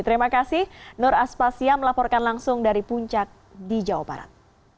terima kasih nur aspasya melaporkan langsung dari puncak di jawa barat